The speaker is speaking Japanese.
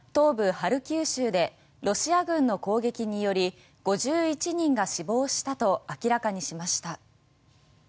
ハルキウ州でロシア軍の攻撃により５１人が死亡したと明らかにしました。